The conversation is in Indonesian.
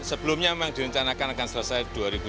sebelumnya memang direncanakan akan selesai dua ribu dua puluh